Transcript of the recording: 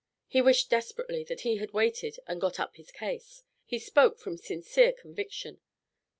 He wished desperately that he had waited and got up his case. He spoke from sincere conviction.